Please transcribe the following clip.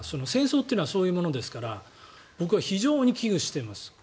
戦争ってのはそういうものですから僕は非常に危惧しています。